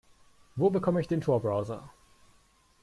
Wo bekomme ich den Tor-Browser?